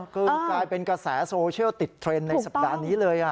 คือกลายเป็นกระแสโซเชียลติดเทรนด์ในสัปดาห์นี้เลย